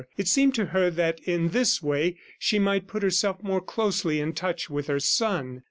It seemed to her that in this way she might put herself more closely in touch with her son.